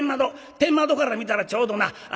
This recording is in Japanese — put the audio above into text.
天窓から見たらちょうどなああ